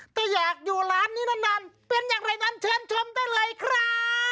แต่อยากอยู่ร้านนี้นานเป็นอย่างไรนั้นเชิญชมได้เลยครับ